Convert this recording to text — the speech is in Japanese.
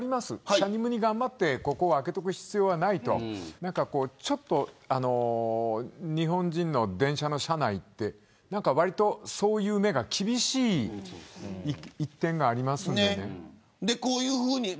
しゃにむに頑張ってここを空けとく必要はないと日本人の電車の車内って割とそういう目が厳しい一面がありますよね。